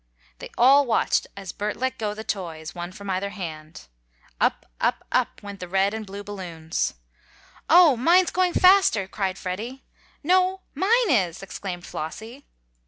They all watched, as Bert let go the toys, one from either hand. Up, up, up, went the red and blue balloons. "Oh, mine's going faster!" cried Freddie. "No, mine is!" exclaimed Flossie.